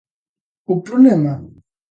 O problema?